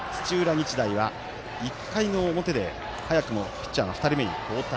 日大は１回の表で早くもピッチャーが２人目に交代。